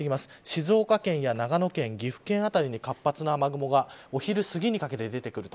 静岡県や長野県岐阜県辺りに活発な雨雲がお昼すぎにかけて出てくる。